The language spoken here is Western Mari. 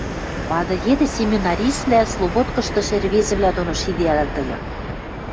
Вады йӹде семинариствлӓ слободкыштышы ӹрвезӹвлӓ доно шиэдӓлӹт ыльы.